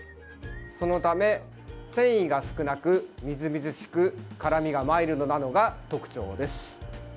そのため繊維が少なくみずみずしく辛みがマイルドなのが特徴です。